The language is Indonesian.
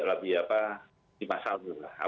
kita akan melakukan kegiatan